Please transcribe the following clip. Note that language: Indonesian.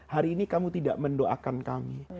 hari ini kamu tidak mendoakan kami